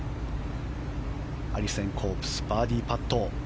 アリセン・コープスバーディーパット。